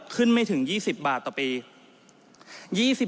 ไม่ถึง๒๐บาทต่อปี